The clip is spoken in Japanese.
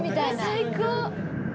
最高！